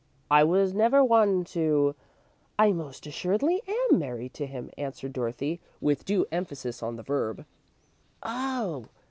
I was never one to " "I most assuredly am married to him," answered Dorothy, with due emphasis on the verb. "Oh!